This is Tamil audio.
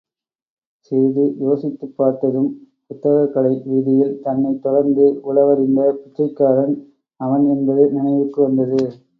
சிறிது யோசித்துப் பார்த்ததும், புத்தகக்கடை வீதியில் தன்னைத் தொடர்ந்து உளவறிந்த பிச்சைக்காரன் அவன் என்பது நினைவுக்கு வந்ததது.